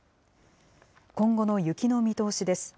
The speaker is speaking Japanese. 今後の雪の見通しです。